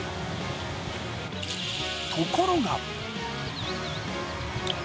ところが！